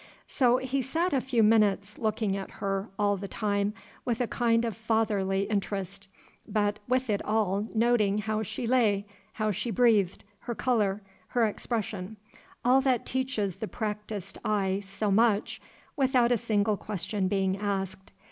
So he sat a few minutes, looking at her all the time with a kind of fatherly interest, but with it all noting how she lay, how she breathed, her color, her expression, all that teaches the practised eye so much without a single question being asked.